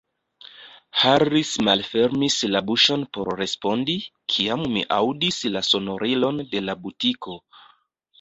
Harris malfermis la buŝon por respondi, kiam ni aŭdis la sonorilon de la butiko.